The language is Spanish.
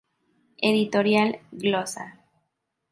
Editorial Glosa.